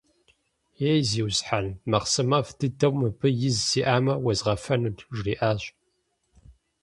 Ей, зиусхьэн, махъсымэфӀ дыдэу мыбы из сиӀамэ, уезгъэфэнут, - жриӀащ.